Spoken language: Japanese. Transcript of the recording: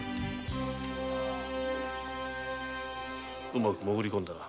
うまく潜り込んだな。